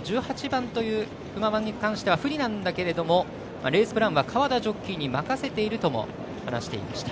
１８番の馬番に関しては不利なんだけれどもレースプランは川田ジョッキーに任せているとも話していました。